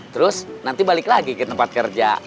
terus nanti balik lagi ke tempat kerja